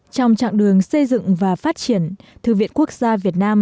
trong trạng đường xây dựng và phát triển thư viện quốc gia việt nam